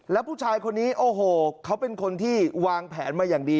แล้วผู้ชายคนนี้โอ้โหเขาเป็นคนที่วางแผนมาอย่างดี